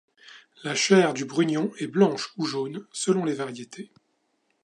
La chair du brugnon est blanche ou jaune selon les variétés.